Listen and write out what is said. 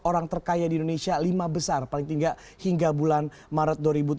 orang terkaya di indonesia lima besar paling tidak hingga bulan maret dua ribu tujuh belas